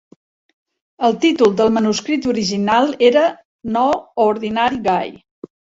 El títol del manuscrit original era "No Ordinary Guy".